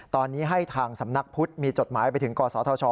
ตอนนี้ให้ทางสำนักพุทธมีจดหมายไปถึงกศธช